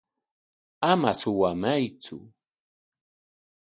Ama suwamaytsu.